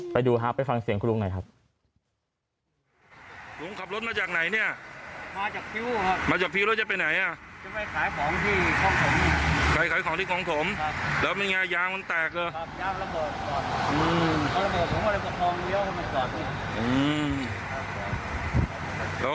ไปดูฮะไปฟังเสียงคุณลุงไงครับ